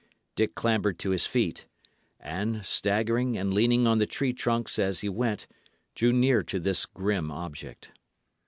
Dick clambered to his feet, and, staggering and leaning on the tree trunks as he went, drew near to this grim object.